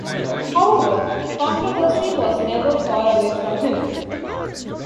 However, controversy was never far away from him.